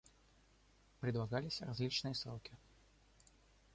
Предлагались различные сроки.